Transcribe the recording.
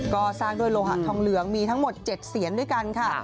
ก็สร้างด้วยโลหะทองเหลืองมีทั้งหมด๗เสียนด้วยกันค่ะ